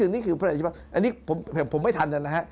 นี่คือพระราชบัตรอันนี้ผมไม่ทันนะฮะ